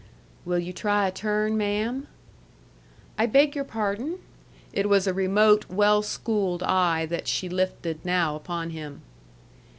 "Will you try a turn, ma'am?" "I beg your pardon?" It was a remote, well schooled eye that she lifted now upon him.